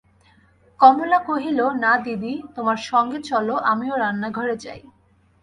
কমলা কহিল, না দিদি, তোমার সঙ্গে, চলো, আমিও রান্নাঘরে যাই।